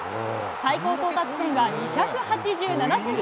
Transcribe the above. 最高到達点は２８７センチ。